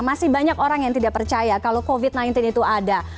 masih banyak orang yang tidak percaya kalau covid sembilan belas itu ada